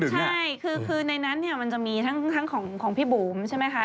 ใช่คือในนั้นเนี่ยมันจะมีทั้งของพี่บุ๋มใช่ไหมคะ